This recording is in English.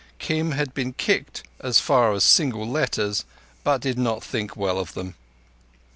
Kim had been kicked as far as single letters, but did not think well of them.